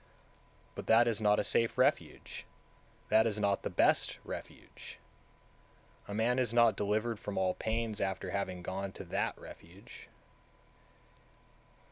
189. But that is not a safe refuge, that is not the best refuge; a man is not delivered from all pains after having gone to that refuge.